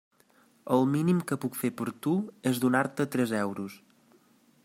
El mínim que puc fer per tu és donar-te tres euros.